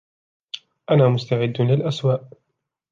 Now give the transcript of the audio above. أنا مستعد للأسوء